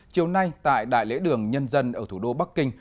chiều nay tại đại lễ đường nhân dân ở thủ đô bắc kinh